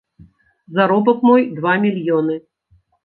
Заробак мой два мільёны.